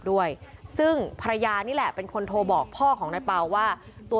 มีถึงปืนไซมูนอีกไหมบ้างครับ